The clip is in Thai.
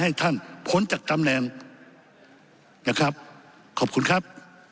ให้ท่านพ้นจากตำแหน่งนะครับขอบคุณครับ